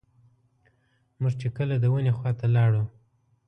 موږ چې کله د ونې خواته لاړو.